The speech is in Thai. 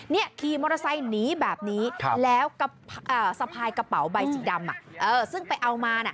นี่ขี่มอเตอร์ไซค์หนีแบบนี้แล้วสะพายกระเป๋าใบสีดำ